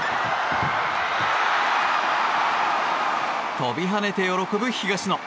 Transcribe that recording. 飛び跳ねて喜ぶ東野。